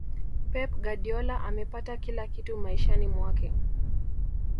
pep guardiola amepata kila kitu maishani mwake